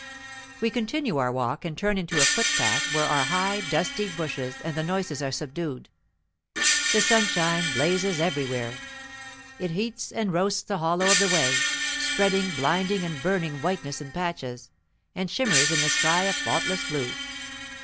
We continue our walk, and turn into a footpath where are high, dusty bushes and the noises are subdued. The sunshine blazes everywhere; it heats and roasts the hollow of the way, spreading blinding and burning whiteness in patches, and shimmers in the sky of faultless blue.